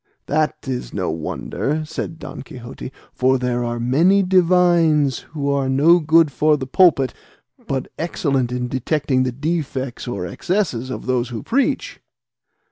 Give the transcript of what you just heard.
"That is no wonder," said Don Quixote; "for there are many divines who are no good for the pulpit, but excellent in detecting the defects or excesses of those who preach."